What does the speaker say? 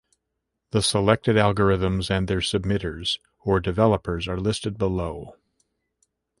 The selected algorithms and their submitters or developers are listed below.